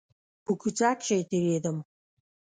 په کوڅه کښې تېرېدم .